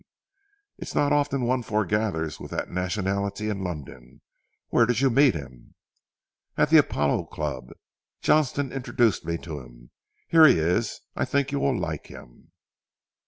"Humph! It it not often one foregathers with that nationality in London. Where did you meet him?" "At the Apollo Club, Johnstone introduced me to him. Here he is. I think you will like him."